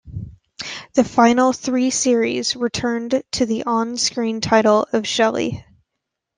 The final three series returned to the on-screen title of Shelley.